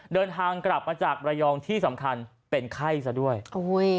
เดินทางกลับมาจากระยองที่สำคัญเป็นไข้ซะด้วยโอ้โห